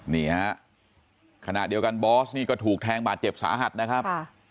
นี่ฮะขณะเดียวกันบอสนี่ก็ถูกแทงบาดเจ็บสาหัสนะครับ